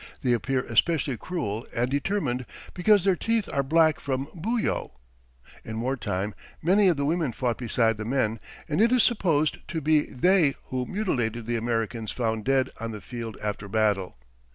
They appear especially cruel and determined because their teeth are black from buyo. In war time, many of the women fought beside the men, and it is supposed to be they who mutilated the Americans found dead on the field after battle.